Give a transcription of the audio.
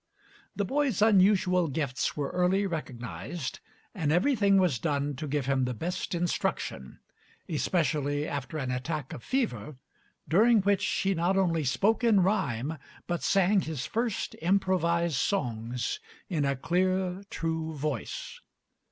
The boy's unusual gifts were early recognized, and everything was done to give him the best instruction, especially after an attack of fever, during which he not only spoke in rhyme, but sang his first improvised songs in a clear, true voice.